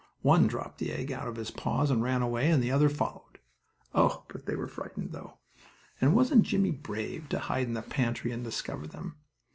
One dropped the egg out of his paws and ran away, and the other followed. Oh, but they were frightened, though! and wasn't Jimmie brave to hide in the pantry and discover them?